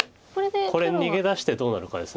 これ逃げ出してどうなるかです。